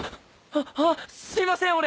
ああっすいません俺！